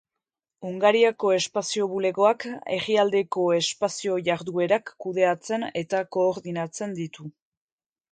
Hungariako Espazio Bulegoak herrialdeko espazio-jarduerak kudeatzen eta koordinatzen ditu.